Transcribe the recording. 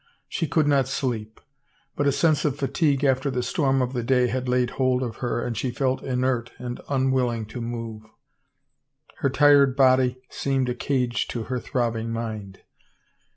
She could not sleep, but a sense of fatigue after the storm of the day had laid hold of her and she felt inert and unwilling to move. Her tired body seemed a cage to her throbbing mind.